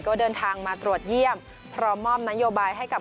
ก็เดินทางมาตรวจเยี่ยมพร้อมมอบนโยบายให้กับ